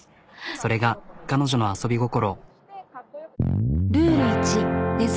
それが彼女の遊び心。